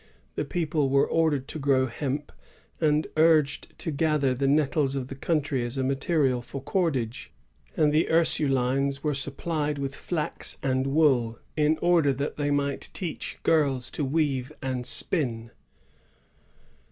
The people were ordered to grow hemp,' and urged to gather the nettles of the country as material for cordage; and the Ursulines were sup plied with flax and wool, in order that they might teach girls to weave and spin.